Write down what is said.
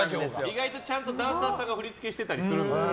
意外とちゃんとダンサーさんが振り付けしてたりするんですよ。